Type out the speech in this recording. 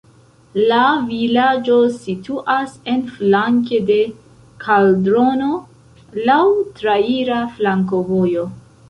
La vilaĝo situas en flanke de kaldrono, laŭ traira flankovojo.